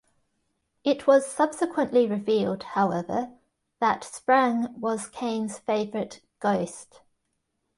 It was subsequently revealed, however, that Sprang was Kane's favorite "ghost".